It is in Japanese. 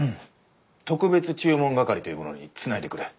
特別注文係という者につないでくれ。